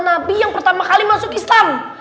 nabi yang pertama kali masuk islam